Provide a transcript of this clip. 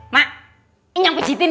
mak ini yang pejitin ya